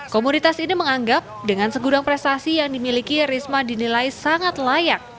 komunitas ini menganggap dengan segudang prestasi yang dimiliki risma dinilai sangat layak